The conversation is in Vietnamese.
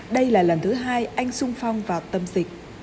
đây là lần thứ hai anh sung phong vào tâm dịch